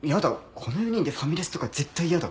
この４人でファミレスとか絶対やだ。